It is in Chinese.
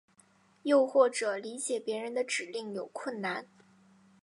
又或者理解别人的指令有困难。